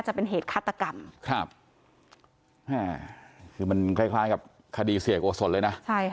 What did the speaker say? ใช่ค่ะ